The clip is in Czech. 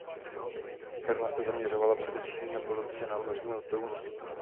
Firma se zaměřovala především na palubní a námořní letouny.